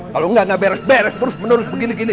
kalau nggak nggak beres beres terus terus begini gini